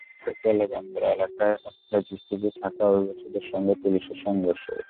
ফ্রান্সের ক্যালে বন্দর এলাকায় অস্থায়ী ঝুপড়িতে থাকা অভিবাসীদের সঙ্গে পুলিশের সংঘর্ষ হয়েছে।